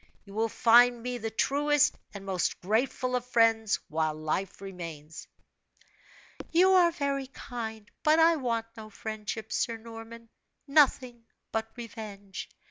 You will find me the truest and most grateful of friends, while life remains." "You are very kind; but I want no friendship, Sir Norman nothing but revenge!